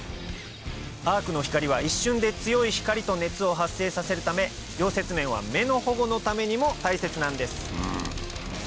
アークの光は一瞬で強い光と熱を発生させるため溶接面は目の保護のためにも大切なんです